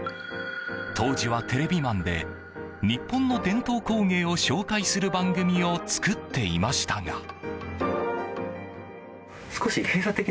当時はテレビマンで日本の伝統工芸を紹介する番組を作っていましたが。